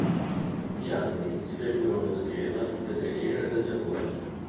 Gli anni seguono lo schema delle ere del Giappone.